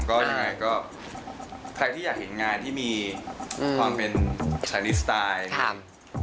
แข็งแรงเหมือนเดิม